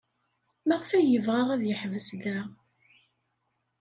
Maɣef ay yebɣa ad yeḥbes da?